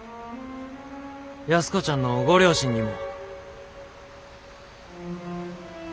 安子ちゃんのご両親にも。